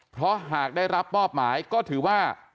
เพราะหากได้รับมอบหมายก็ถือว่า